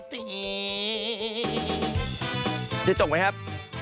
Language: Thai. เจ็ดจกมั้ยครับ